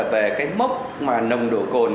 về cái mốc mà nồng độ cồn